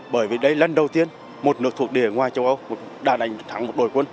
bởi vì đây lần đầu tiên một nước thuộc địa ngoài châu âu đã đánh thắng một đội quân